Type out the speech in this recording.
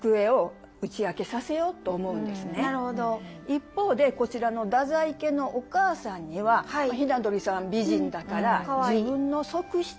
一方でこちらの太宰家のお母さんには雛鳥さん美人だから自分の側室に。